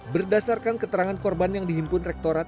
berdasarkan keterangan korban yang dihimpun rektorat